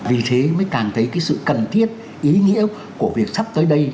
vì thế mới càng thấy cái sự cần thiết ý nghĩa của việc sắp tới đây